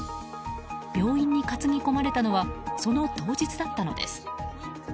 病院に担ぎ込まれたのはその当日だったのです。